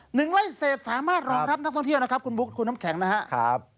หนึ่งไล่เศษสามารถรองรับนักท่องเที่ยวนะครับคุณบุ๊คคุณน้ำแข็งนะครับ